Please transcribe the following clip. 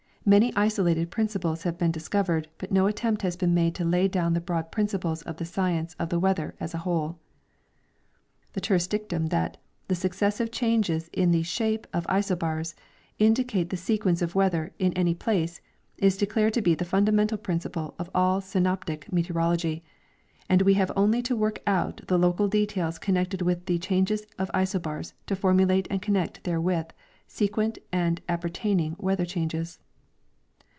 *^"* Many isolated principles have been discovered, but no attempt has l)een made to lay down the broad principles of the science of the weather as a whole." The terse dictum that " The successive ' changes in the ^hcqie of isoliars *'•'* in dicate the sequence of weather ' in any place " is declared to be the fundamental principle of all synoptic meteorology, and we have only to work out the local details connected with the changes of isobars to formulate and connect therewith sequent and api^ertaining weather changes.